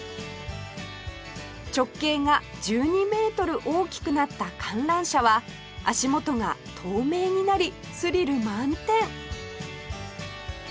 直径が１２メートル大きくなった観覧車は足元が透明になりスリル満点